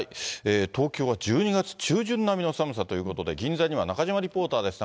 東京は１２月中旬並みの寒さということで、銀座には中島リポーターです。